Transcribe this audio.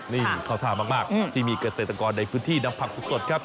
นี่เข้าท่ามากที่มีเกษตรกรในพื้นที่นำผักสดครับ